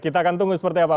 kita akan tunggu seperti apa